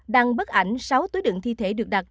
đăng bức ảnh sáu túi đựng thi thể được đặt